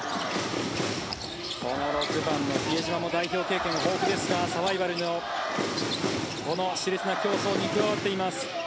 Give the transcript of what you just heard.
この６番の比江島も代表経験豊富ですがサバイバルの熾烈な競争に加わっています。